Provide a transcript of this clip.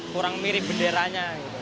kurang mirip benderanya